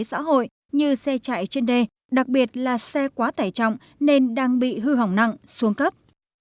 xã hội như xe chạy trên đê đặc biệt là xe quá tải trọng nên đang bị hư hỏng nặng xuống cấp